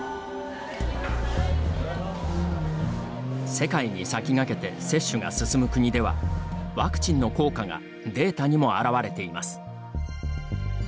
世界に先駆けて接種が進む国ではワクチンの効果がデータにも表れています。